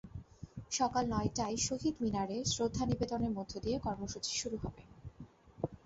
সকাল নয়টায় শহীদ মিনারে শ্রদ্ধা নিবেদনের মধ্য দিয়ে কর্মসূচি শুরু হবে।